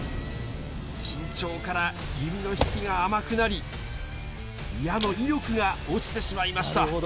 緊張から弓の引きが甘くなり、矢の威力が落ちてしまいました。